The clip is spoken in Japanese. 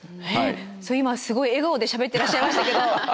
そう今すごい笑顔でしゃべってらっしゃいましたけど。